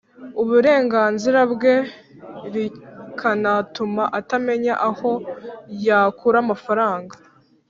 uburenganzira bwe, rikanatuma atamenya aho yakura amafaranga